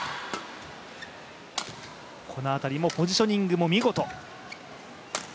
この辺りも、ポジショニングも見事。